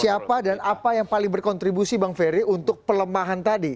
siapa dan apa yang paling berkontribusi bang ferry untuk pelemahan tadi